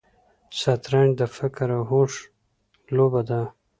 شطرنج د فکر او هوش لوبه ده.